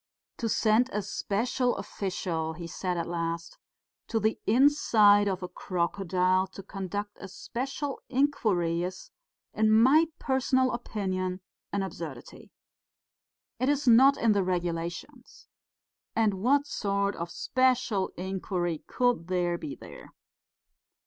"To send a special official," he said at last, "to the inside of a crocodile to conduct a special inquiry is, in my personal opinion, an absurdity. It is not in the regulations. And what sort of special inquiry could there be there?"